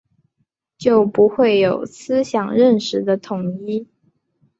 就不会有思想认识的统一